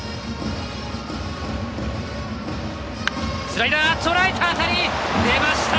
スライダー、捉えた当たり出ました。